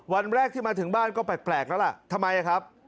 วันแรกที่มาถึงบ้านก็แปลกแล้วล่ะทำไมครับ